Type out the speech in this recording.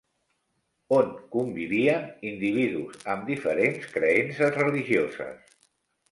On convivien individus amb diferents creences religioses?